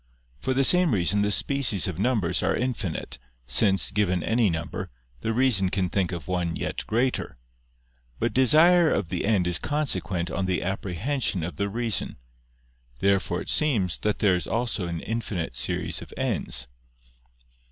For the same reason the species of numbers are infinite, since, given any number, the reason can think of one yet greater. But desire of the end is consequent on the apprehension of the reason. Therefore it seems that there is also an infinite series of ends.